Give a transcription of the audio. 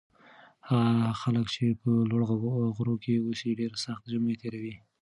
هغه خلک چې په لوړو غرونو کې اوسي ډېر سخت ژمی تېروي.